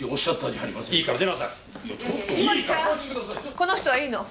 この人はいいの。